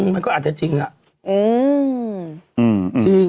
มันก็อาจจะจริงอะ